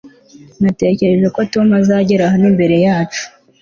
natekereje ko tom azagera hano imbere yacu